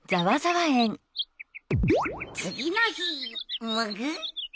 つぎのひモグ。